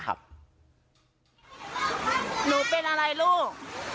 หนูเป็นอะไรลูก